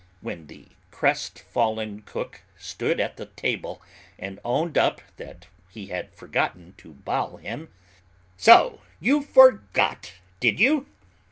When the crestfallen cook stood at the table and owned up that he had forgotten to bowel him, "So you forgot, did you?"